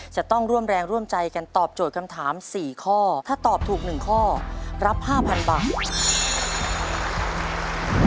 จะต้องร่วมแรงร่วมใจกันตอบโจทย์คำถาม๔ข้อถ้าตอบถูก๑ข้อรับ๕๐๐๐บาท